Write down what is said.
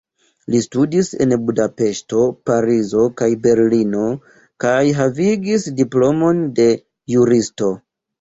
Li studis en Budapeŝto, Parizo kaj Berlino kaj havigis diplomon de juristo.